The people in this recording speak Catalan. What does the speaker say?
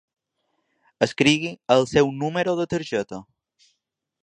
Escrigui el seu número de targeta.